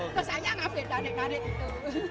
terus aja ngambil tane tane gitu